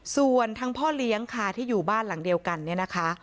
ส่วนทางพ่อเลี้ยงค่ะที่อยู่บ้านหลังเดียวกันเนี่ยนะคะ